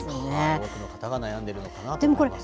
多くの方が悩んでいるのかなと思います。